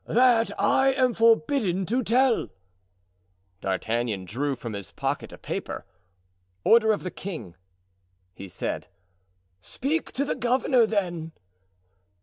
"That I am forbidden to tell." D'Artagnan drew from his pocket a paper. "Order of the king," he said. "Speak to the governor, then."